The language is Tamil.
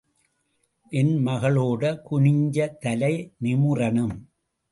என் மகளோட குனிஞ்ச தலை நிமுறணும்.